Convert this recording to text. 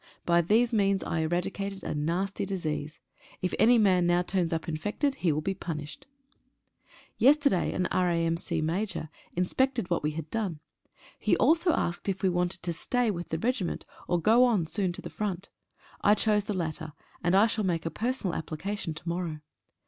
By these means I eradicated a nasty disease. If any man now turns up infected he will be punished. Yesterday an R.A.M.C. Major inspected what we had done. He also asked if we wanted to stay with the regiment or go on soon to the front. I choose the latter, and I shall make a personal application to morrow.